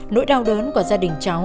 nỗi đau đớn của gia đình cháu